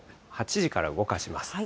８時から動かします。